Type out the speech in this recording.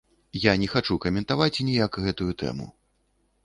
Я не хачу каментаваць ніяк гэтую тэму.